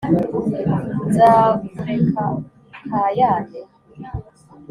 Nzakureka ukayane.